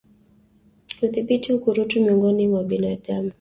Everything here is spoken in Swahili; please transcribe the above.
Kudhibiti ukurutu miongoni mwa binadamu